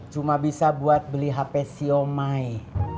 cuma bisa buat beli hp siomay